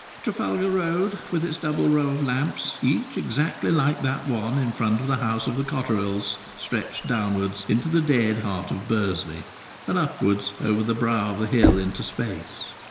Trafalgar Road, with its double row of lamps, each exactly like that one in front of the house of the Cotterills, stretched downwards into the dead heart of Bursley, and upwards over the brow of the hill into space.